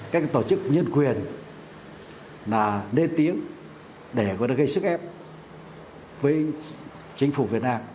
các tổ chức nhân quyền là lên tiếng để gây sức ép với chính phủ việt nam